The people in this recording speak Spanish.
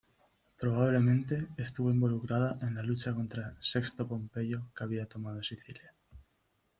Probablemente estuvo involucrada en la lucha contra Sexto Pompeyo que había tomado Sicilia.